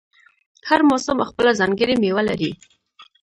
هر موسم خپله ځانګړې میوه لري.